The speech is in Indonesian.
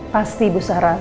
pasti bu sarah